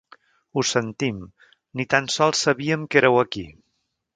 Ho sentim, ni tan sols sabíem que éreu aquí.